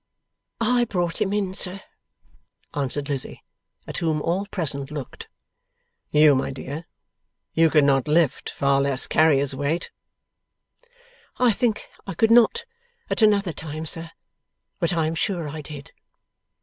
'I brought him in, sir,' answered Lizzie, at whom all present looked. 'You, my dear? You could not lift, far less carry, this weight.' 'I think I could not, at another time, sir; but I am sure I did.